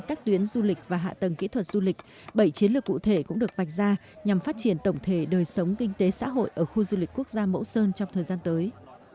các tuyến du lịch và hạ tầng kỹ thuật du lịch bảy chiến lược cụ thể cũng được vạch ra nhằm phát triển tổng thể đời sống kinh tế xã hội ở khu du lịch quốc gia mẫu sơn trong thời gian tới